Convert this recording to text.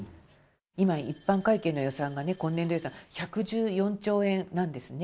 今、一般会計の予算がね、今年度予算、１１４兆円なんですね。